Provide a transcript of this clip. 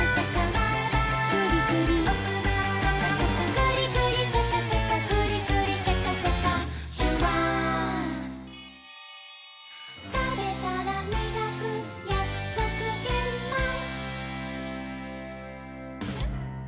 「グリグリシャカシャカグリグリシャカシャカ」「シュワー」「たべたらみがくやくそくげんまん」